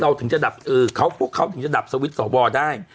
ถึงจะดับพวกเขาถึงจะดับสวิตช์สวได้